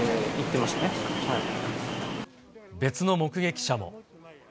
別の目撃者も。